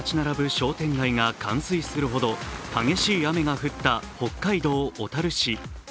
商店街が冠水するほど激しい雨が降った北海道小樽市。